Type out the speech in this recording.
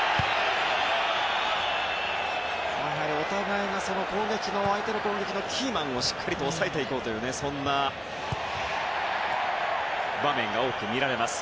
お互いが相手の攻撃のキーマンをしっかりと抑えていこうというそんな場面が多く見られます。